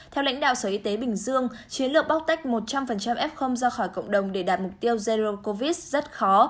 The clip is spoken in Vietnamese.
theo lãnh đạo sở y tế bình dương chiến lược bóc tách một trăm linh f ra khỏi cộng đồng để đạt mục tiêu zero covid rất khó